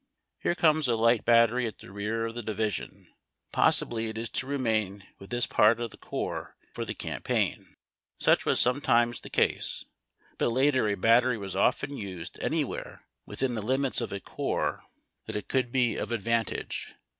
Here comes a light battery at the rear of the division. Possibly it is to remain with this part of the corps for the campaign. Such was sometimes the case, but later a battery was often used anywhere within the limits of a corps that 342 HAIW TACK AND COFFEE. it could be of advantage.